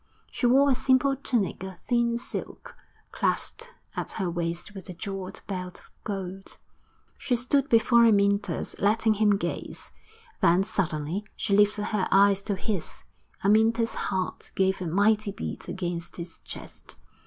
She wore a simple tunic of thin silk, clasped at her waist with a jewelled belt of gold. She stood before Amyntas, letting him gaze; then suddenly she lifted her eyes to his. Amyntas's heart gave a mighty beat against his chest.